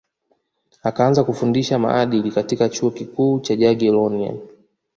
akaanza kufundisha maadili katika chuo kikuu cha jagiellonian